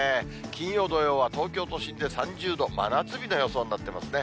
金曜、土曜は東京都心で３０度、真夏日の予想になってますね。